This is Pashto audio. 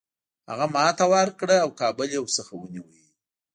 هغه ته ماته ورکړه او کابل یې ورڅخه ونیوی.